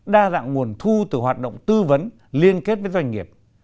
đa dạng nguồn thu từ hoạt động tư vấn liên kết với doanh nghiệp